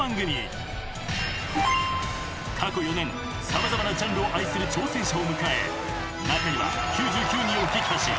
さまざまなジャンルを愛する挑戦者を迎え中には９９人を撃破し］